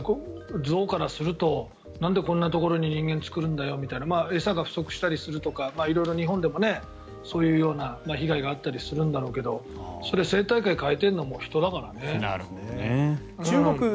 象からするとなんでこんなところに人間、作るんだよみたいな餌が不足したりするとか色々、日本でもそういう被害があったりするんだろうけどそれは生態系を変えているのも人だからね。